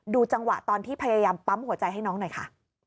จังหวะตอนที่พยายามปั๊มหัวใจให้น้องหน่อยค่ะ